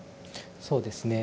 そうですね。